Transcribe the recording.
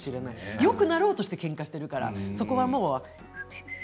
よくなろうとしてけんかしているから、そこは。